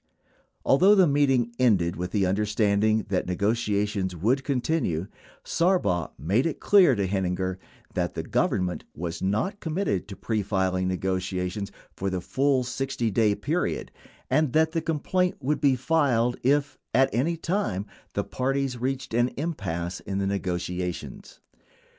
14 Although the meeting ended with the understanding that negotiations would continue, Sarbaugh made it clear to Heininger that the Government was not committed to prefiling negotiations for the full 60 day period and that the complaint would be filed if, at any time, the parties reached an impasse in the negotiations.